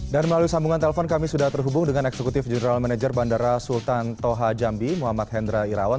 dan melalui sambungan telpon kami sudah terhubung dengan eksekutif jurnal manajer bandara sultan toha jambi muhammad hendra irawan